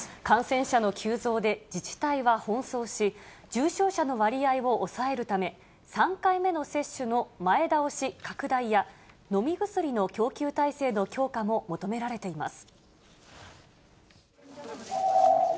感染者の急増で、自治体は奔走し、重症者の割合を抑えるため、３回目の接種の前倒し拡大や、飲み薬の供給体制の強化も求められています。